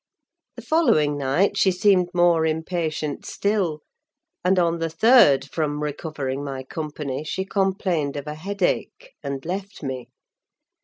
The following night she seemed more impatient still; and on the third from recovering my company she complained of a headache, and left me.